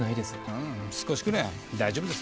ああ少しくらい大丈夫ですよ。